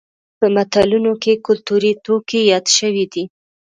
په متلونو کې کولتوري توکي یاد شوي دي